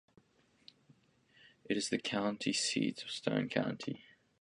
It is the county seat of Stone County.